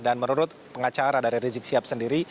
dan menurut pengacara dari rizik sihab sendiri